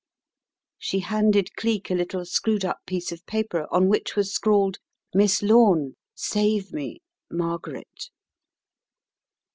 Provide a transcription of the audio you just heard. She handed Cleek a little screwed up piece of paper on which was scrawled "Miss Lome, save me! Mar garet."